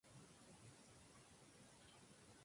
El símbolo del barrio es una hoz o, popularmente, "gancho".